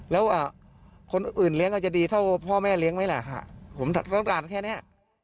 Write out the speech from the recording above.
แล้วคนอื่นเลี้ยงอาจจะดีเท่าพ่อแม่เลี้ยงไหมล่ะผมต้องการแค่นี้